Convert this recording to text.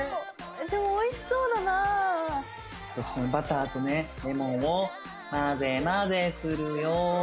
でもおいしそうだなぁそしてねバターとねレモンを混ぜ混ぜするよ